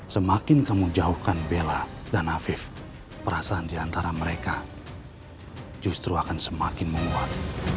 semakin kamu jauhkan bella dan afif perasaan diantara mereka justru akan semakin memuat